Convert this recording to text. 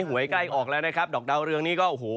หวยใกล้ออกแล้วนะครับดอกดาวเรืองนี้ก็โอ้โห